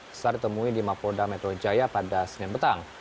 setelah ditemui di mapolda metro jaya pada senin betang